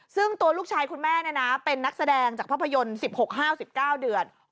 ซึ่งตัวลูกชายคุณแม่เป็นนักแสดงจากภาพยนตร์๑๖๕๑๙เดือน